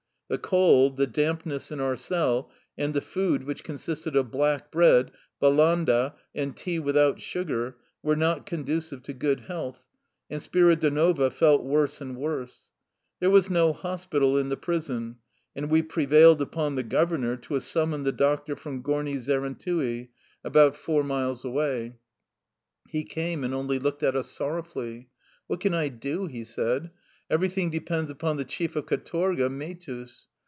The cold, the dampness in our cell, and the food which consisted of black bread, balandd,^ and tea without sugar, were not conducive to good health, and Spiridonova felt worse and worse. There was no hospital in the prison, and we prevailed upon the governor to summon the doctor from Gomi Zerentui, about four 9 A kind of soup. 188 THE LIFE STOKY OF A RUSSIAN EXILE miles away. He came, and only looked at us sorrowfully. " What can I do? '' he said. " Everything de pends upon the chief of katorga, Mehtus.